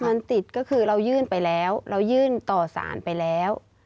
มันติดก็คือเรายื่นไปแล้วเรายื่นต่อสารไปแล้ว